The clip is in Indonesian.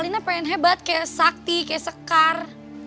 lina pengen hebat kayak sakti kayak sekar